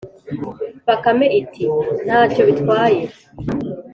“bakame iti:” nta cyo bitwaye,